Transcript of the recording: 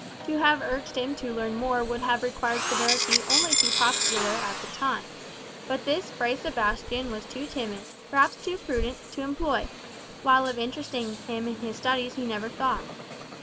To have urged him to learn more would have required severity only too popular at the time; but this Fray Sebastian was too timid, perhaps too prudent, to employ; while of interesting him in his studies he never thought.